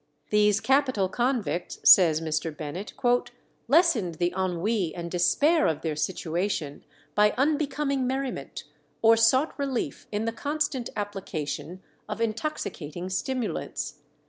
These capital convicts, says Mr. Bennet, "lessened the ennui and despair of their situation by unbecoming merriment, or sought relief in the constant application of intoxicating stimulants.